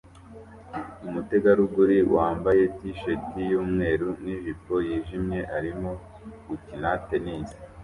Umutegarugori wambaye t-shirt yumweru nijipo yijimye arimo gukina tennis